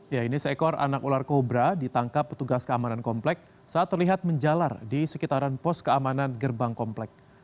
ya ini seekor anak ular kobra ditangkap petugas keamanan komplek saat terlihat menjalar di sekitaran pos keamanan gerbang komplek